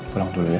pulang dulu ya